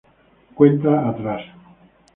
Cuenta atrás.